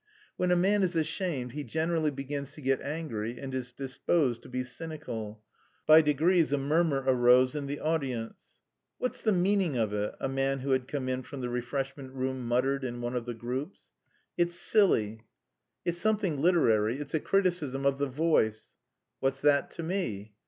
When a man is ashamed he generally begins to get angry and is disposed to be cynical. By degrees a murmur arose in the audience. "What's the meaning of it?" a man who had come in from the refreshment room muttered in one of the groups. "It's silly." "It's something literary. It's a criticism of the Voice." "What's that to me?"